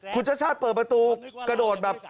คุณชาติชาติเปิดประตูกระโดดแบบ